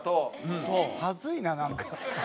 恥ずいななんか。